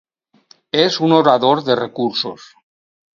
És un orador de recursos.